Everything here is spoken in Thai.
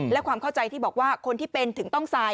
และความเข้าใจที่บอกว่าคนที่เป็นถึงต้องทราย